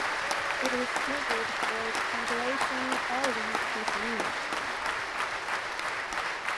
It is scheduled for completion early this year.